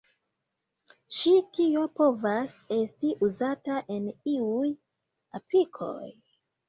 Ĉi tio povas esti uzata en iuj aplikoj.